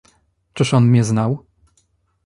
"Czyż on mię znał?"